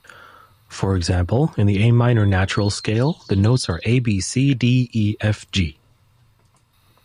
For example, in the "A minor natural scale", the notes are A-B-C-D-E-F-G.